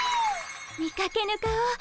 見かけぬ顔。